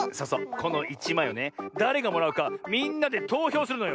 この１まいをねだれがもらうかみんなでとうひょうするのよ。